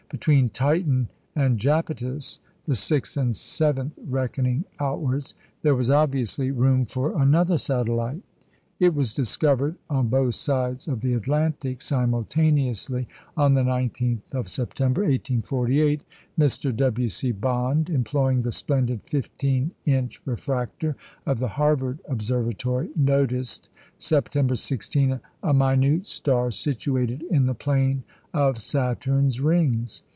Between Titan and Japetus the sixth and seventh reckoning outwards there was obviously room for another satellite. It was discovered on both sides of the Atlantic simultaneously, on the 19th of September, 1848. Mr. W. C. Bond, employing the splendid 15 inch refractor of the Harvard Observatory, noticed, September 16, a minute star situated in the plane of Saturn's rings.